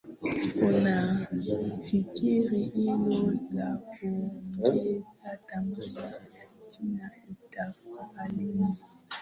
unafikiri hilo la kuongeza thamani china itakubali ama